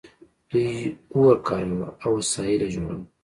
دوی اور کاراوه او وسایل یې جوړول.